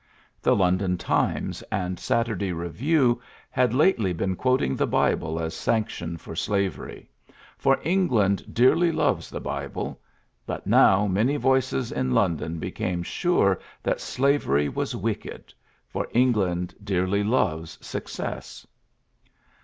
The London Times and Satv/rday Beotew had lately been quoting the Bible as sanction for slavery ; for England dearly loves the Bible ; but now many voices in London became sure that slavery was wicked ; for England dearly loves suc cess. ULYSSES S.